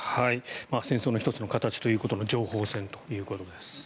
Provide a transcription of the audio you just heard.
戦争の１つの形ということの情報戦ということです。